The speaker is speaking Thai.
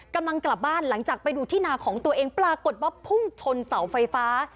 กำลังกลับบ้านหลังจากไปดูที่นาของตัวเองปรากฏว่าพุ่งชนเสาไฟฟ้า